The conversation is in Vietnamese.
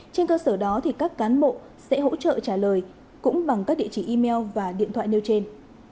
trên cơ sở đó các cán bộ sẽ hỗ trợ trả lời cũng bằng các địa chỉ email và điện thoại nêu trên